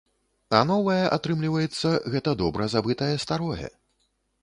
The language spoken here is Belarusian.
А новае, атрымліваецца, гэта добра забытае старое.